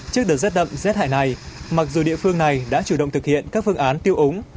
trước đợt rét đậm rét hại này mặc dù địa phương này đã chủ động thực hiện các phương án tiêu úng